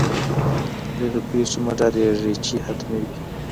له هغې پېښې مه ډاریږئ چي حتمي وي.